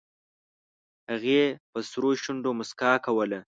هغې په سرو شونډو موسکا کوله